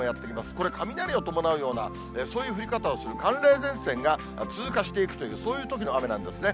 これ、雷を伴うようなそういう降り方をする、寒冷前線が通過していくという、そういうときの雨なんですね。